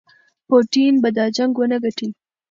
پوټین به دا جنګ ونه ګټي.